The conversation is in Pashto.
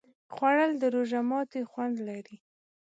خوړل د روژه ماتي خوند لري